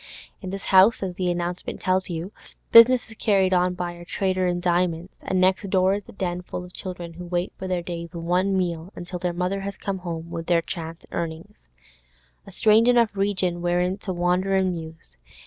In this house, as the announcement tells you, business is carried on by a trader in diamonds, and next door is a den full of children who wait for their day's one meal until their mother has come home with her chance earnings. A strange enough region wherein to wander and muse.